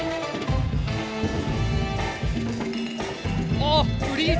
おフリーズ。